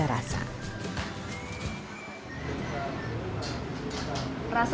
menurut kakak ini adalah menu yang terasa